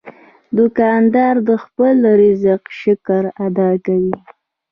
دوکاندار د خپل رزق شکر ادا کوي.